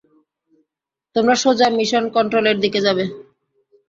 তোমরা সোজা মিশন কন্ট্রোলের দিকে যাবে।